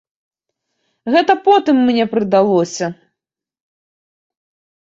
Гэта потым мне прыдалося.